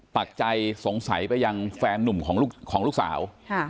ปักใจสงสัยไปยังแฟนนุ่มของลูกสาว